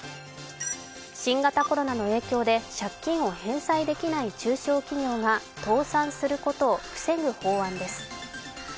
新型コロナの影響で借金を返済できない中小企業が倒産することを防ぐ法案です。